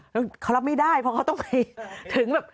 แล้วเขารับไม่ได้เพราะเขาต้องไปถึงแบบ